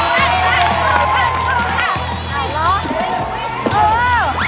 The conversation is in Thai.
มาแล้ว